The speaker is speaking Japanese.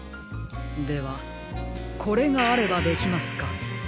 ではこれがあればできますか？